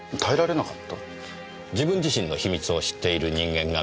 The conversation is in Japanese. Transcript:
自分自身の秘密を知っている人間が身近にいる。